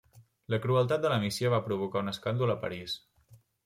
La crueltat de la missió va provocar un escàndol a París.